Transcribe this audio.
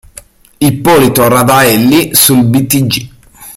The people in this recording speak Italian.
Ippolito Radaelli sul Btg.